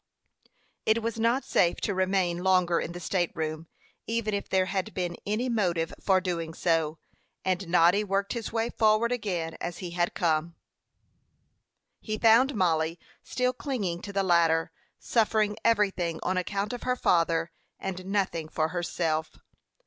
It was not safe to remain longer in the state room, even if there had been any motive for doing so, and Noddy worked his way forward again as he had come. He found Mollie still clinging to the ladder, suffering everything on account of her father, and nothing for herself.